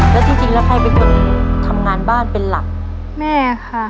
แล้วจริงจริงแล้วใครเป็นคนทำงานบ้านเป็นหลักแม่ค่ะ